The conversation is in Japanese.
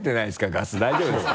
ガス大丈夫ですか？